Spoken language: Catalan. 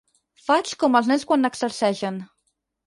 Faig com els nens quan n'exerceixen.